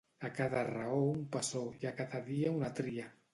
A cada raó un passó i a cada dia una tria.